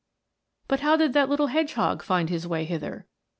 But how did that little hedgehog find his way hither?